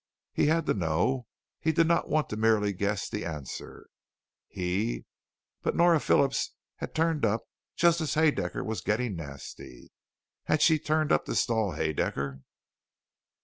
He had to know, he did not want to merely guess the answer, he but Nora Phillips had turned up just as Haedaecker was getting nasty. Had she turned up to stall Haedaecker?